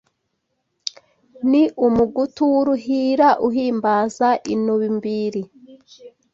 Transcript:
Ni umugutu w’uruhira Uhimbaza inumbiri